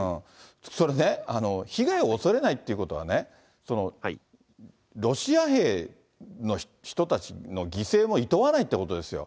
それね、被害を恐れないということは、ロシア兵の人たちの犠牲もいとわないということですよ。